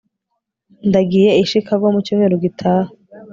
ndagiye i chicago mu cyumweru gitaha